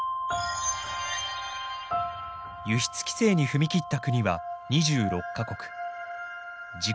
輸出規制に踏み切った国は２６か国。